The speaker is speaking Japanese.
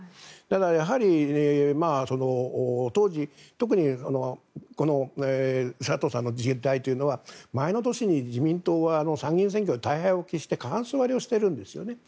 やはり、当時特に佐藤さんの時代というのは前の年に自民党は参議院選挙で大敗を喫して過半数割れをしているんですね。